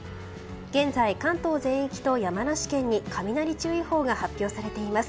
現在、関東全域と山梨県に雷注意報が発表されています。